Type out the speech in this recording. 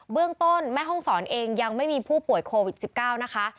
เรื่องต้นแม่ห้องศรเองยังไม่มีผู้ป่วยโควิด๑๙นะคะ